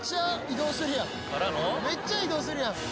めっちゃ移動するやんからの？